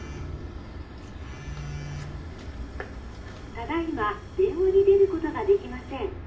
「ただいま電話に出ることができません。